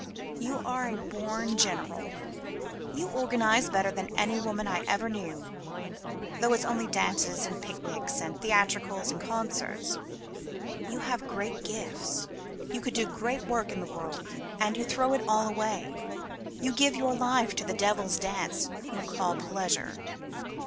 You are a born general. You organise better than any woman I ever knew, though it's only dances and picnics and theatricals and concerts. You have great gifts. You could do great work in the world, and you throw it all away; you give your life to the devil's dance you call pleasure.